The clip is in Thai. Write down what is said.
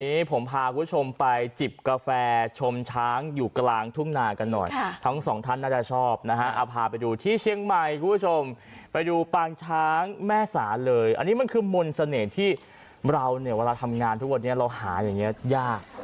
วันนี้ผมพาคุณผู้ชมไปจิบกาแฟชมช้างอยู่กลางทุ่งนากันหน่อยทั้งสองท่านน่าจะชอบนะฮะเอาพาไปดูที่เชียงใหม่คุณผู้ชมไปดูปางช้างแม่สาเลยอันนี้มันคือมนต์เสน่ห์ที่เราเนี่ยเวลาทำงานทุกวันนี้เราหาอย่างนี้ยาก